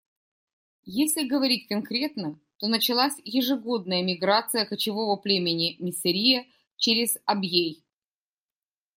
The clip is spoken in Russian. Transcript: Если говорить конкретно, то началась ежегодная миграция кочевого племени миссерия через Абьей.